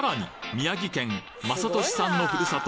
宮城県雅俊さんのふるさと